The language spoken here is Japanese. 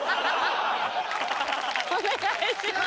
お願いします。